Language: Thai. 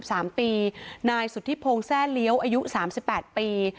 อายุ๓๓ปีนายสุธิพงศ์แสรี้วอายุ๓๘ปี